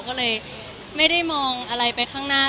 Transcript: ก็เลยไม่ได้มองอะไรไปข้างหน้า